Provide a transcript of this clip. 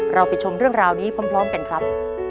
เราไปชมเรื่องราวนี้พร้อมกันครับ